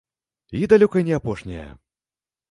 І далёка не апошняя.